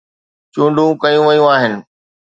چونڊون ڪيون ويون آهن